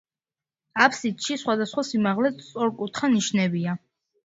აფსიდში, სხვადასხვა სიმაღლეზე, სწორკუთხა ნიშებია.